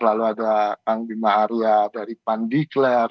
lalu ada kang bima arya dari pan diklat